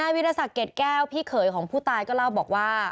วิทยาศักดิเกรดแก้วพี่เขยของผู้ตายก็เล่าบอกว่า